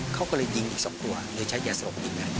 เค้าก็เลยยิงอีกสองตัวในชั้นอย่าสลบยิงนะ